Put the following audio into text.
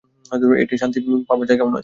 এটি শান্তি পাবার জায়গাও নয়।